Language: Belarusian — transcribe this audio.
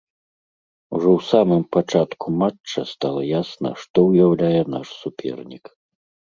Ужо ў самым пачатку матча стала ясна, што ўяўляе наш супернік.